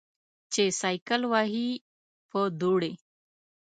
چې سایکل وهې په دوړې.